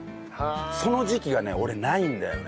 その時期がね俺ないんだよね。